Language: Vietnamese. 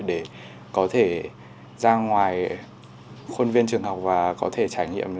để có thể ra ngoài khuôn viên trường học và có thể trải nghiệm